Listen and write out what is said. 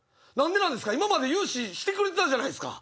今まで融資してくれてたじゃないですか！